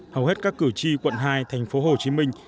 hầu hết các cử tri quận hai thành phố hồ chí minh